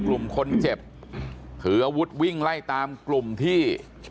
กลุ่มคนเจ็บถืออาวุธวิ่งไล่ตามกลุ่มที่